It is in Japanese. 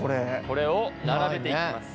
これを並べていきます。